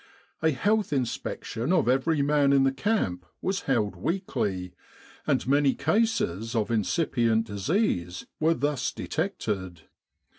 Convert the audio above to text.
A health inspection of every man in the camp was held weekly, and many cases of incipient disease were thus detected.